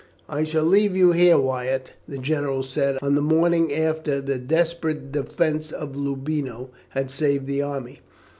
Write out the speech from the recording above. "I shall leave you here, Wyatt," the General said, on the morning after the desperate defence of Loubino had saved the army.